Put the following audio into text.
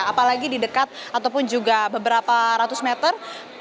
apalagi di dekat ataupun juga beberapa ratus meter